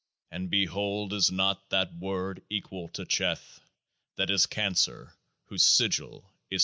And behold is not that Word equal to Cheth, that is Cancer, whose Sigil is 25?